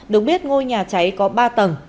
được biết ngôi nhà cháy có ba tầng